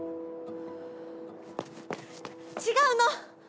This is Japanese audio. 違うの。